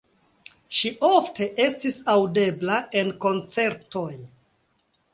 Ŝi ofte estis aŭdebla en koncertoj.